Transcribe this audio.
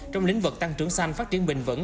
trong lĩnh vực tăng trưởng xanh phát triển bình vẩn